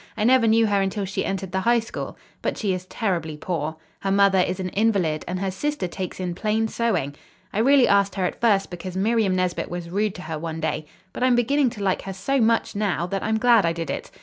"I never knew her until she entered the High School. But she is terribly poor. Her mother is an invalid and her sister takes in plain sewing. I really asked her at first because Miriam Nesbit was rude to her one day. But I'm beginning to like her so much, now, that I'm glad I did it.